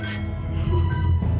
dia sudah berakhir